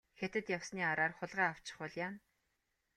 Хятад явсны араар хулгай авчихвал яана.